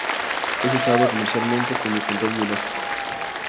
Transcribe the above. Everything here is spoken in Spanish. Es usado comercialmente como control biológico.